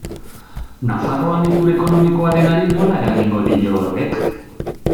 Nafarroan ikur ekonomikoa denari nola eragingo dio horrek?